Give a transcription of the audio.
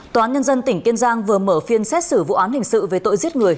tòa án nhân dân tỉnh kiên giang vừa mở phiên xét xử vụ án hình sự về tội giết người